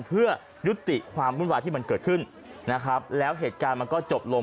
เพื่อยุติความวุ่นวายที่มันเกิดขึ้นนะครับแล้วเหตุการณ์มันก็จบลง